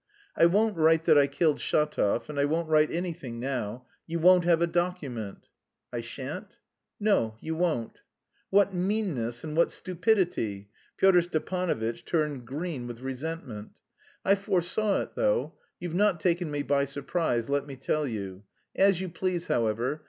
"I won't write that I killed Shatov... and I won't write anything now. You won't have a document!" "I shan't?" "No, you won't." "What meanness and what stupidity!" Pyotr Stepanovitch turned green with resentment. "I foresaw it, though. You've not taken me by surprise, let me tell you. As you please, however.